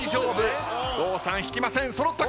郷さん引きません。